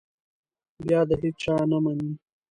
بیا د هېچا نه مني.